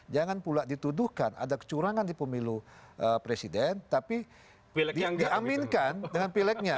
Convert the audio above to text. jangan pula dituduhkan ada kecurangan di pemilu presiden tapi diaminkan dengan pileknya